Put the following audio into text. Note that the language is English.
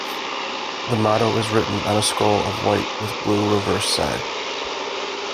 The motto is written on a scroll of white with blue reverse side.